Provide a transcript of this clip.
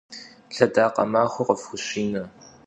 Lhedakhe maxue khıfxuşine!